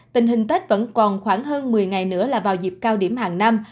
tình hình tết vẫn còn khoảng hơn một mươi ngày nữa là vào dịp cao điểm hàng năm